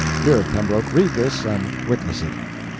Here, Pembroke, read this, and witness it."